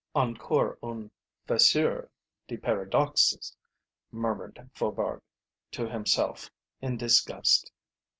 "Encore un faiseur de paradoxes!" murmured Faubourg to himself in disgust.